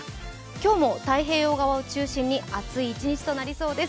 今日も太平洋側を中心に暑い一日となりそうです。